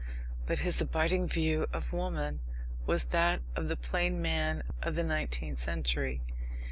But his abiding view of woman was that of the plain man of the nineteenth century.